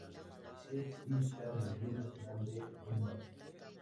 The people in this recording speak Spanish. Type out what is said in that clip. Es hincha del Club Nacional de Football.